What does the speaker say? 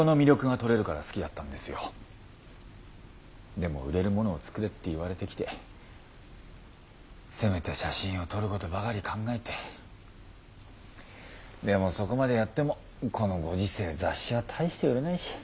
でも売れるものを作れって言われてきて攻めた写真を撮ることばかり考えてでもそこまでやってもこのご時世雑誌は大して売れないし。